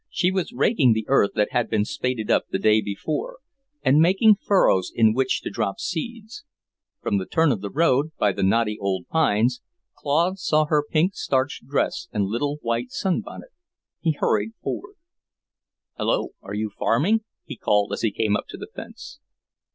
She was raking the earth that had been spaded up the day before, and making furrows in which to drop seeds. From the turn of the road, by the knotty old willows, Claude saw her pink starched dress and little white sun bonnet. He hurried forward. "Hello, are you farming?" he called as he came up to the fence.